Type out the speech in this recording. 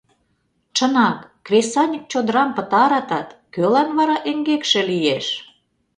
Чынак, кресаньык чодырам пытаратат, кӧлан вара эҥгекше лиеш?